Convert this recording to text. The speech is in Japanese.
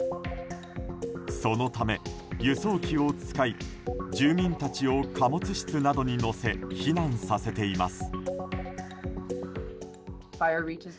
そのため、輸送機を使い住民たちを貨物室などに乗せ避難させています。